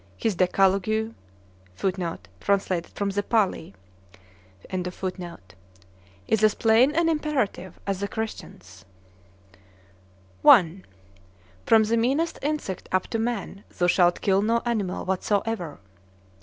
His Decalogue [FOOTNOTE: Translated from the Pali.] is as plain and imperative as the Christian's : I. From the meanest insect up to man thou shalt kill no animal whatsoever.